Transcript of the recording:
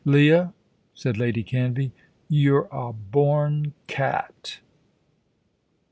"Leah," said Lady Canvey, "you're a born cat."